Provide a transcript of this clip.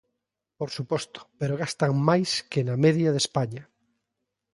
Por suposto, pero gastan máis que na media de España.